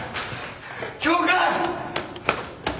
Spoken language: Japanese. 教官！